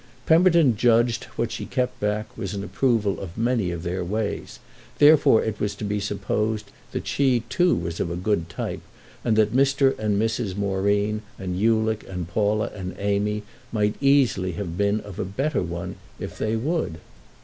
Pemberton judged that what she kept back was an approval of many of their ways; therefore it was to be supposed that she too was of a good type, and that Mr. and Mrs. Moreen and Ulick and Paula and Amy might easily have been of a better one if they would.